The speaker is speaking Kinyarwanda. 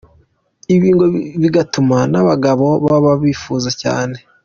Ibi ngo bigatuma n’abagabo babo bifuza cyane.